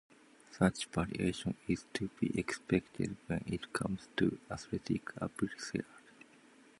Such variation is to be expected when it comes to aesthetic appraisal.